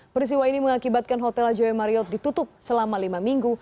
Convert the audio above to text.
perisiwa ini mengakibatkan hotel j w marriott ditutup selama lima minggu